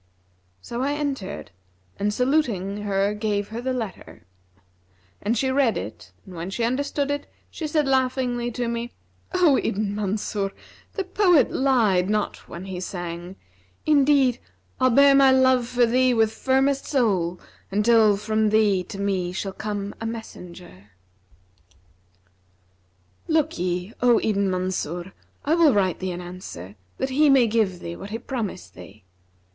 So I entered and saluting her gave her the letter; and she read it and when she understood it, she said laughingly to me, 'O Ibn Mansur, the poet lied not when he sang, 'Indeed I'll bear my love for thee with firmest soul, * Until from thee to me shall come a messenger. 'Look'ye, O Ibn Mansur, I will write thee an answer, that he may give thee what he promised thee.'